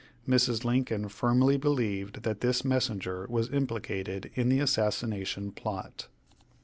Mrs. Lincoln firmly believed that this messenger was implicated in the assassination plot.